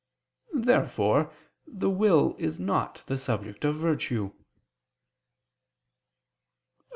Therefore the will is not the subject of virtue. Obj.